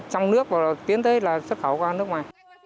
trong nước tiến tới là xuất khẩu qua nước ngoài